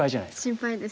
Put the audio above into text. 心配ですね。